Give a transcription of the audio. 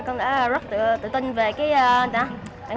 con đã rất tự tin về trợ nổi cái răng